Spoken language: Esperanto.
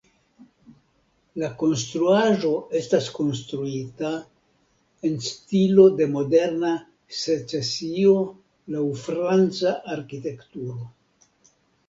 La konstruaĵo estas konstruita en stilo de moderna secesio laŭ franca arkitekturo.